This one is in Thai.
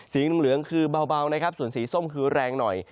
สีน้ำเหลืองคือเบานะครับส่วนสีส้มคือแรงหน่อย